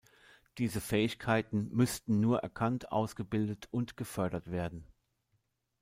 Diese Fähigkeiten müssten nur erkannt, ausgebildet und gefördert werden.